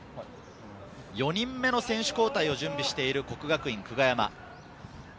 ４人目の選手交代を準備している國學院久我山。